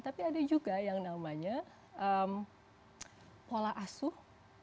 tapi ada juga yang namanya pola asuh